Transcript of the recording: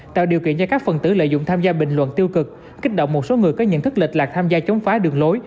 tạo điều kiện cho các phần tử lợi dụng tham gia bình luận tiêu cực kích động một số người có nhận thức lệch lạc tham gia chống phá đường lối